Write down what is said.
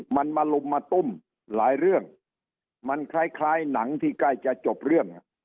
มันมาลุมมาตุ้มหลายเรื่องมันคล้ายหนังที่ใกล้จะจบเรื่อง